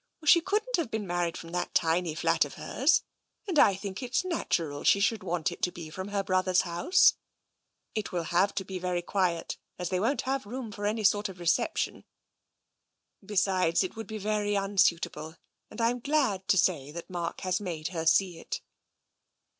" She couldn't have been married from that tiny flat of hers, and I think it's natural she should want it to be from her brother's house. It will have to be very quiet, as they won't have room for any sort of recep tion. Besides, it would be very unsuitable, and I'm glad to say that Mark has made her see it."